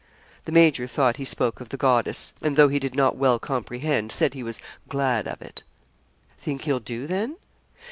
The major thought he spoke of the goddess, and though he did not well comprehend, said he was 'glad of it.' 'Think he'll do then?'